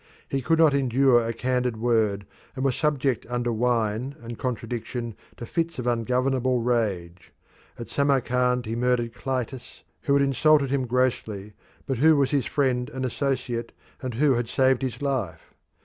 He could not endure a candid word, and was subject under wine and contradiction to fits of ungovernable rage. At Samarkand he murdered Clitus, who had insulted him grossly but who was his friend and associate, and who had saved his life.